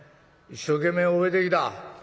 一生懸命覚えてきた？」。